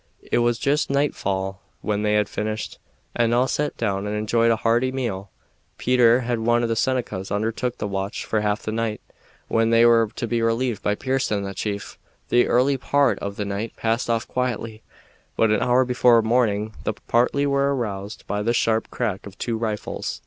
It was just nightfall when they had finished, and all sat down and enjoyed a hearty meal. Peter and one of the Senecas undertook the watch for half the night, when they were to be relieved by Pearson and the chief. The early part of the night passed off quietly, but an hour before morning the party were aroused by the sharp crack of two rifles.